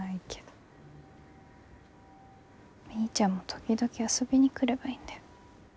みーちゃんも時々遊びに来ればいいんだよ。